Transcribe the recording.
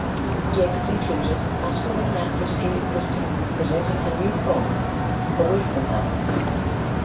Guests included Oscar-winning actress Julie Christie presenting her new film "Away From Her".